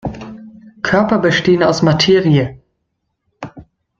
Körper bestehen aus Materie.